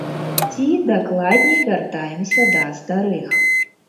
Ці, дакладней, вяртаемся да старых.